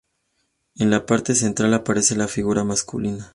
En la parte central aparece la figura masculina.